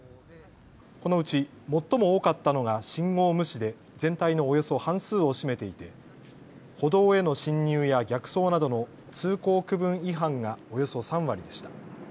このうち最も多かったのが信号無視で全体のおよそ半数を占めていて歩道への進入や逆走などの通行区分違反がおよそ３割でした。